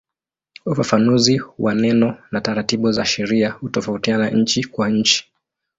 Ufafanuzi wa neno na taratibu za sheria hutofautiana nchi kwa nchi.